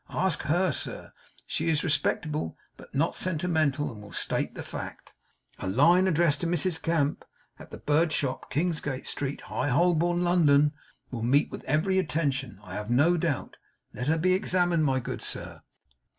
Ask HER, sir. She is respectable, but not sentimental, and will state the fact. A line addressed to Mrs Gamp, at the Bird Shop, Kingsgate Street, High Holborn, London, will meet with every attention, I have no doubt. Let her be examined, my good sir.